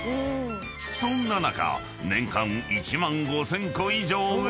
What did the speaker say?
［そんな中］